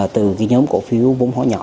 từ nhóm cổ phiếu vùng hóa nhỏ